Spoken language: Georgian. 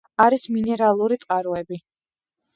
არის მინერალური წყაროები.